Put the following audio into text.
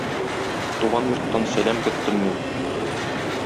Туган йорттан сәлам көттем мин.